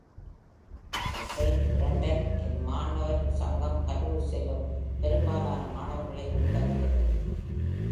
The Saint Brendan-இன் மாணவர் சங்கம் கல்லூரி செல்லும் பெரும்பாலான மாணவர்களை உள்ளடக்கியது.